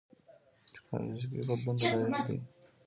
ټېکنالوژيکي بدلون دلایلو دي.